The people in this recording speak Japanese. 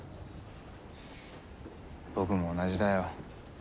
僕も同じだよ。